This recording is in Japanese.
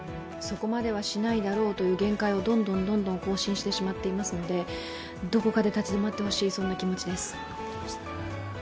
そこまではしないだろうという限界をどんどん更新してしまっていますのでどこかで立ち止まってほしい、そんな気持ちです。